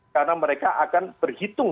karena mereka akan berhitung